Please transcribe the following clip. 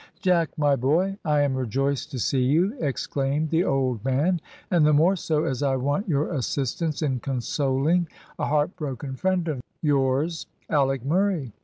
"Jack, my boy, I am rejoiced to see you," exclaimed the old man, "and the more so, as I want your assistance in consoling a heartbroken friend of yours, Alick Murray.